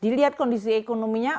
dilihat kondisi ekonominya